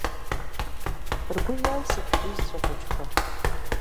Ргәы иалсып шәҩызцәа хәыҷқәа…